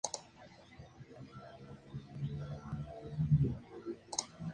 Está bañado por los ríos Cauca, Roldanillo, el Rey y Cáceres.